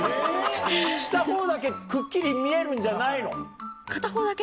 したほうだけクッキリ見えるんじゃないの？